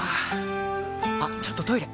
あっちょっとトイレ！